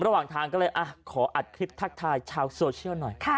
ระหว่างทางก็เลยขออัดคลิปทักทายชาวโซเชียลหน่อย